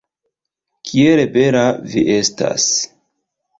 Kiel bela vi estas!